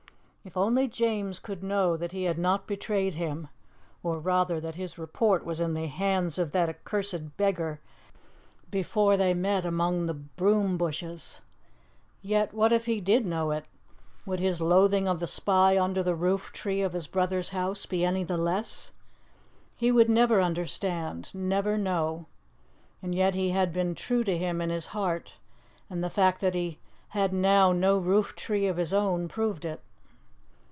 If only James could know that he had not betrayed him or, rather, that his report was in the hands of that accursed beggar before they met among the broom bushes! Yet, what if he did know it? Would his loathing of the spy under the roof tree of his brother's house be any the less? He would never understand never know. And yet he had been true to him in his heart, and the fact that he had now no roof tree of his own proved it.